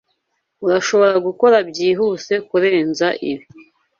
Urashobora gukora byihuse kurenza ibi.